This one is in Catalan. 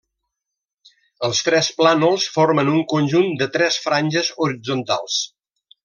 Els tres plànols formen un conjunt de tres franges horitzontals.